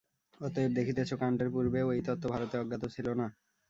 অতএব দেখিতেছ, কাণ্টের পূর্বেও এই তত্ত্ব ভারতে অজ্ঞাত ছিল না।